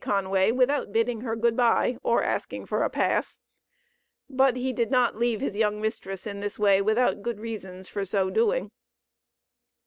Conway, without bidding her good bye, or asking for a pass. But he did not leave his young mistress in this way without good reasons for so doing.